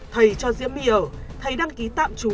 thầy cho diễm mì ở thầy đăng ký tạm trú